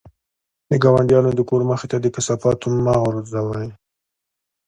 د ګاونډیانو د کور مخې ته د کثافاتو مه غورځوئ.